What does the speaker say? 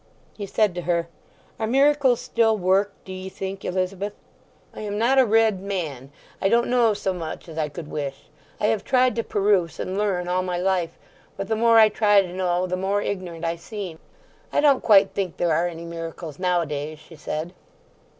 He said to her, "Are miracles still worked, do ye think, Elizabeth? I am not a read man. I don't know so much as I could wish. I have tried to peruse and learn all my life; but the more I try to know the more ignorant I seem." "I don't quite think there are any miracles nowadays," she said.